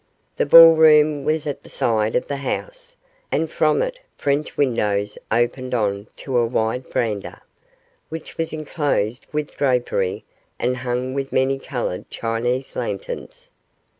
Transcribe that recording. The ball room was at the side of the house, and from it French windows opened on to a wide verandah, which was enclosed with drapery and hung with many coloured Chinese lanterns.